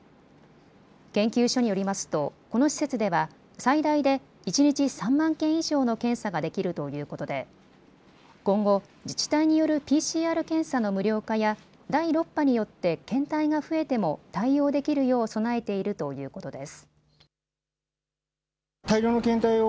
研究所によりますとこの施設では最大で一日３万件以上の検査ができるということで今後、自治体によるＰＣＲ検査の無料化や第６波によって検体が増えても対応できるよう備えているということです。